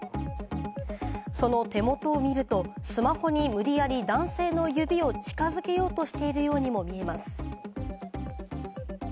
その手元を見ると、スマホに無理やり男性の指を近づけようとしているようにも見えます。